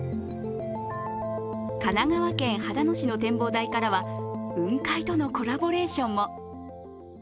神奈川県秦野市の展望台からは雲海とのコラボレーションも。